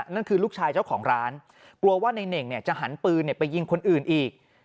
นั่นคือลูกชายเจ้าของร้านกลัวว่าในเน่งจะหันปืนไปยิงคนอื่นอีก